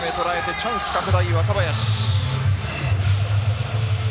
チャンス拡大若林。